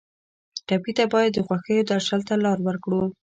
ټپي ته باید د خوښیو درشل ته لار ورکړو.